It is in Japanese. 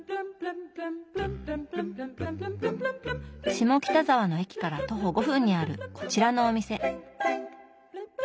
下北沢の駅から徒歩５分にあるこちらのお店。